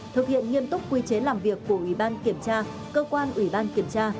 thực hiện nghiêm túc quy chế làm việc của ủy ban kiểm tra cơ quan ủy ban kiểm tra